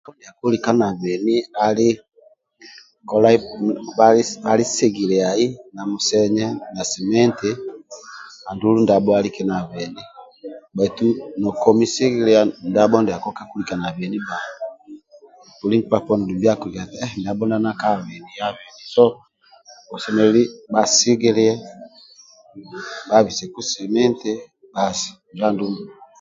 Nabho ndiako lika nabeni ali kolai ku bhali sigiliai na musenyi na siminti andulu ndabho alike nabeni bhaitu nakomi sigikiliaai ndabho ndiako kakilika nabeni bba buli nkpa poni dumbi akikigia eti ndabho ndia nanka abeni abeni bhasi injo andulu